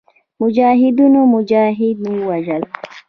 مجاهدینو مجاهدین وژل.